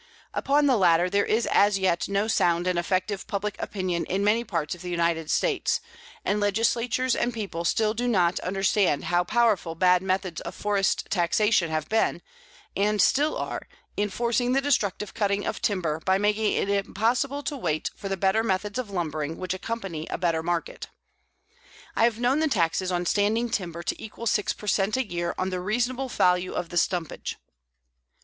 Upon the latter there is as yet no sound and effective public opinion in many parts of the United States, and legislatures and people still do not understand how powerful bad methods of forest taxation have been and still are in forcing the destructive cutting of timber by making it impossible to wait for the better methods of lumbering which accompany a better market. I have known the taxes on standing timber to equal six per cent. a year on the reasonable value of the stumpage.